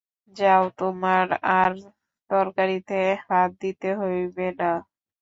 যাও, তোমার আর তরকারিতে হাত দিতে হইবে না।